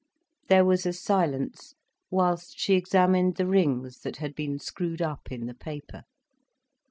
There was a silence, whilst she examined the rings that had been screwed up in the paper.